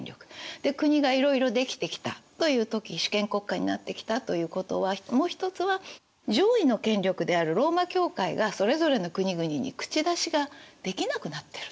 国がいろいろ出来てきたという時主権国家になってきたということはもう一つは上位の権力であるローマ教会がそれぞれの国々に口出しができなくなってると。